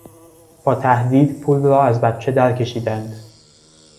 با تهدید پول را از بچه درکشیدند.